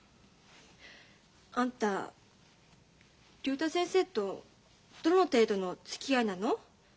あんた竜太先生とどの程度のつきあいなの？